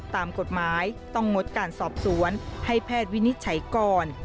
ตามกฎหมายต้องงดการสอบสวนให้แพทย์วินิจฉัยก่อน